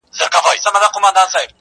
o کورنۍ پرېکړه کوي په وېره,